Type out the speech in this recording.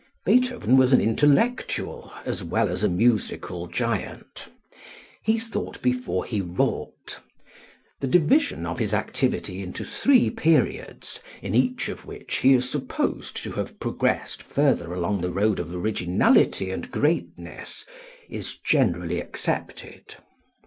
Beethoven was an intellectual as well as a musical giant. He thought before he wrought. The division of his activity into three periods, in each of which he is supposed to have progressed further along the road of originality and greatness, is generally accepted.